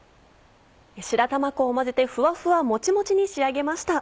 白玉粉を混ぜてふわふわもちもちに仕上げました。